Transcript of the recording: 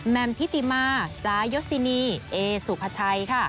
แม่มพิธิมาจายสินีเอสุพชัย